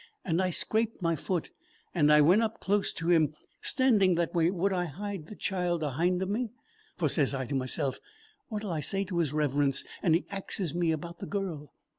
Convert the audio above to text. And I scraped my foot, and I went up close to him, standing that way would I hide the child ahind of me; for sez I to meself: 'What'll I say to his Reverence and he axes me about the girl?'